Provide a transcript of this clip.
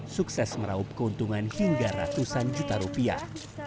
sukses meraup keuntungan hingga ratusan juta rupiah